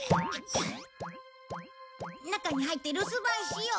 中に入って留守番しよう。